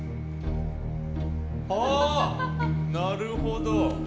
ああ、なるほど。